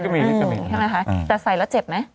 จะมีใช่ไหมคะแต่ใส่แล้วเจ็บไหม